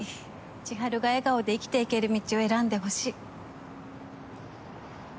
千晴が笑顔で生きていける道を選んでほしい。